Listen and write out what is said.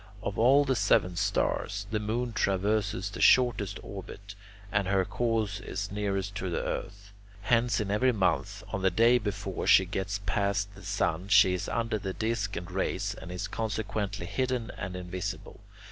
Of all the seven stars, the moon traverses the shortest orbit, and her course is nearest to the earth. Hence in every month, on the day before she gets past the sun, she is under his disc and rays, and is consequently hidden and invisible.